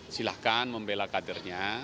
silakan membela kadernya